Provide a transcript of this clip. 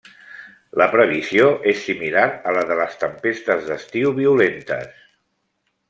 La previsió és similar a la de les tempestes d’estiu violentes.